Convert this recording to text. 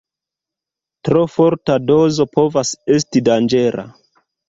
Tro forta dozo povas esti danĝera.